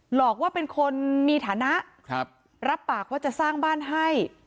หลอกว่าเป็นคนมีฐานะรับปากว่าจะสร้างบ้านให้